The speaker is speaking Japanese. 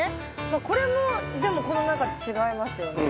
まあこれもでもこの中で違いますよね。